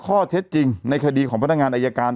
ข้อเท็จจริงในคดีของพนักงานอายการ